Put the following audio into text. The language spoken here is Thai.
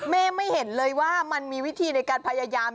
ไม่เห็นเลยว่ามันมีวิธีในการพยายาม